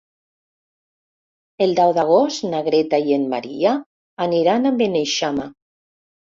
El deu d'agost na Greta i en Maria aniran a Beneixama.